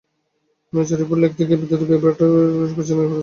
Match report লিখতে গিয়ে বিদ্যুৎ বিভ্রাটের পেছনেই খরচ হয়ে গেল অনেক শব্দ।